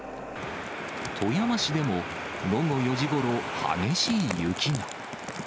富山市でも、午後４時ごろ、激しい雪が。